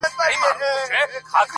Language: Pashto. اوس كرۍ ورځ زه شاعري كومه.